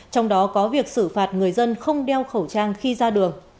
trong đó có việc xử phạt người dân không đeo khẩu trang khi ra đường